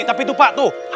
tapi itu pak tuh